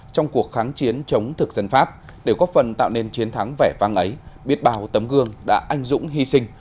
trong cuộc kháng chiến chống thực dân pháp để góp phần tạo nên chiến thắng vẻ vang ấy biết bào tấm gương đã anh dũng hy sinh